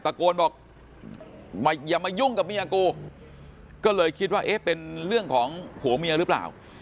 ตะโกนบอกอย่ามายุ่งกับเมียกูก็เลยคิดว่าเอ๊ะเป็นเรื่องของผัวเมียหรือเปล่า